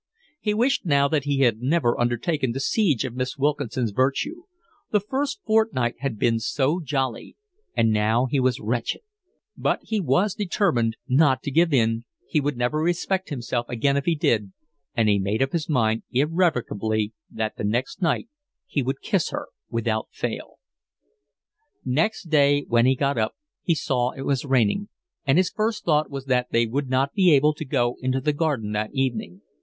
He wished now that he had never undertaken the siege of Miss Wilkinson's virtue; the first fortnight had been so jolly, and now he was wretched; but he was determined not to give in, he would never respect himself again if he did, and he made up his mind irrevocably that the next night he would kiss her without fail. Next day when he got up he saw it was raining, and his first thought was that they would not be able to go into the garden that evening.